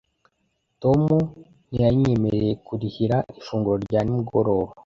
Tom ntiyanyemereye kurihira ifunguro rya nimugoroba.